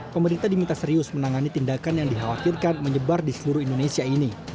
pemerintah diminta serius menangani tindakan yang dikhawatirkan menyebar di seluruh indonesia ini